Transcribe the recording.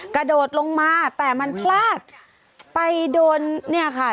กระโดดลงมาแต่มันพลาดไปโดนเนี่ยค่ะ